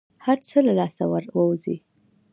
هر څه له لاسه ووزي.